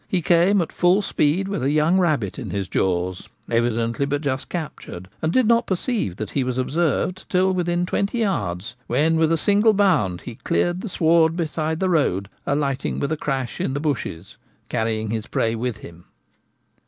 He came at full speed with a young rabbit in his jaws, evidently but just captured, and did not perceive that he was observed till within twenty yards, when, with a single bound he cleared the sward beside the road, alighting with a crash in the bushes, carrying his prey with him.